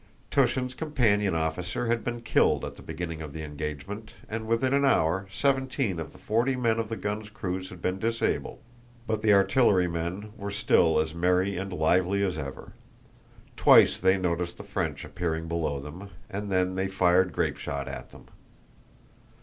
Túshin's companion officer had been killed at the beginning of the engagement and within an hour seventeen of the forty men of the guns' crews had been disabled, but the artillerymen were still as merry and lively as ever. Twice they noticed the French appearing below them, and then they fired grapeshot at them.